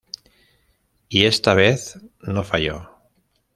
Y esta vez no falló.